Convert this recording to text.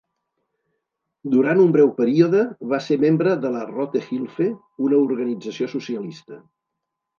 Durant un breu període va ser membre de la "Rote Hilfe", una organització socialista.